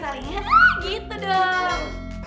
kalian gitu dong